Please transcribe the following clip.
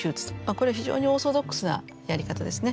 これは非常にオーソドックスなやり方ですね。